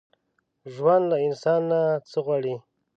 ژوند له انسان نه څه غواړي؟